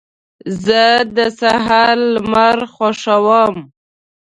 زه د سهار لمر خوښوم.